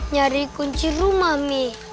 nyari kunci rumah mi